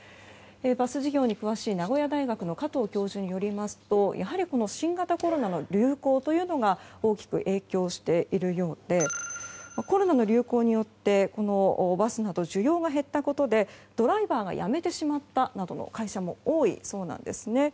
バス事業に詳しい名古屋大学の加藤教授によりますと新型コロナの流行というのが大きく影響しているようでコロナの流行によってバスなど需要が減ったことでドライバーが辞めてしまったなどの会社も多いそうなんです。